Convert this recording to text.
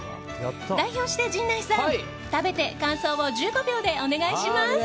代表して陣内さん、食べて感想を１５秒でお願いします。